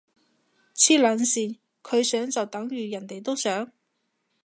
黐撚線，佢想就等如人哋都想？